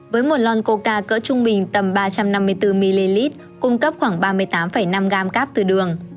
với một lon coca cỡ trung bình tầm ba trăm năm mươi bốn ml cung cấp khoảng ba mươi tám năm g cáp từ đường